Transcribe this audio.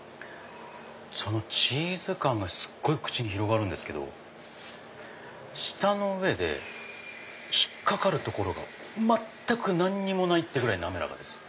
チーズ感がすごい口に広がるんですけど舌の上で引っ掛かるところが全く何もないってぐらい滑らかです。